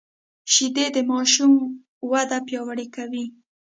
شیدې د ماشوم وده پیاوړې کوي